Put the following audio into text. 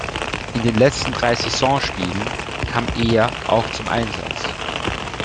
In den letzten drei Saisonspielen kam er auch zum Einsatz.